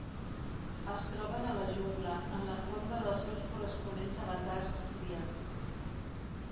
Es troben a la jungla, en la forma dels seus corresponents avatars triats.